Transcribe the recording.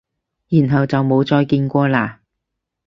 然後就冇再見過喇？